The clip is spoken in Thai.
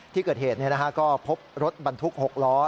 ที่เกิดเหตุก็พบรถบรรทุก๖ล้อ